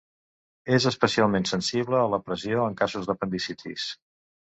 És especialment sensible a la pressió en casos d'apendicitis.